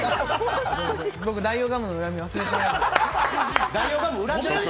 僕、代用ガムの恨み、忘れてないですよ。